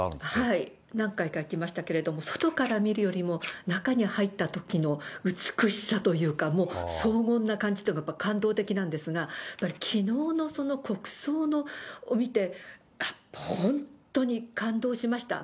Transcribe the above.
何回か行きましたけれども、外から見るよりも、中に入ったときの美しさというか、もう荘厳な感じというのが、やっぱり感動的なんですが、やっぱり、きのうのその国葬を見て、本当に感動しました。